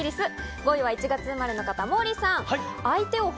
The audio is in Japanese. ５位は１月生まれの人、モーリーさん。